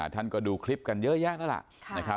ท่านก็ดูคลิปกันเยอะแยะแล้วล่ะ